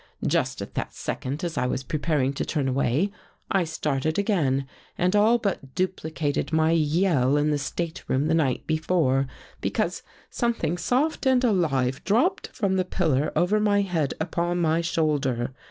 " Just at that second, as I was preparing to turn away, I started again and all but duplicated my yell in the stateroom the night before, because something soft and alive dropped from the pillar over my head upon my shoulder.